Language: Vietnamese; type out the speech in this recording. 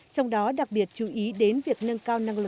trong đó đặc biệt chú ý đến việc nâng cao năng lực